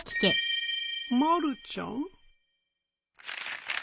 まるちゃん？